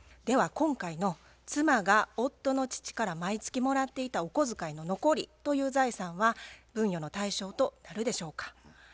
では今回の妻が夫の父から毎月もらっていたお小遣いの残りという財産は分与の対象となるでしょうか。